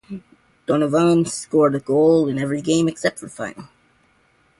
Donovan scored a goal in every game except for the final.